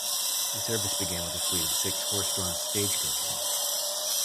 The service began with a fleet of six horse-drawn stagecoaches.